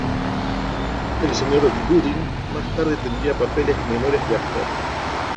El Sr. Gooding más tarde tendría papeles menores de actor.